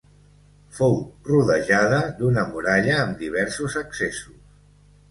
Fou rodejada d'una muralla amb diversos accessos.